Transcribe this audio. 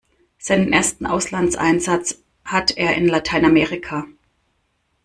Seinen ersten Auslandseinsatz hat er in Lateinamerika.